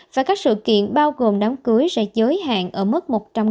và các sự kiện bao gồm đám cưới sẽ giới hạn ở mức